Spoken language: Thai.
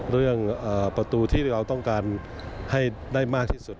เรื่องประตูที่เราต้องการให้ได้มากที่สุด